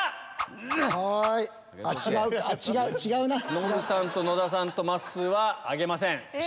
ノブさんと野田さんとまっすーは挙げません。